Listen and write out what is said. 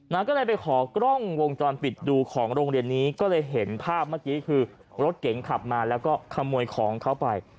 ก็เลยไปขอกล้องวงจรปิดดูของโรงเรียนนี้ก็เลยเห็นภาพเมื่อกี้คือรถเก๋งขับมาแล้วก็ขโมยของเขาไป